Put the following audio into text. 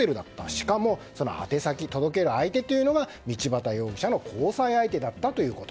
しかも、その宛て先届ける相手というのが道端容疑者の交際相手だったということ。